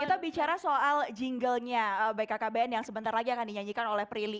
kita bicara soal jinglenya bkkbn yang sebentar lagi akan dinyanyikan oleh prilly